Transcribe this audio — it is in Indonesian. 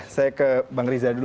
saya ke bang riza dulu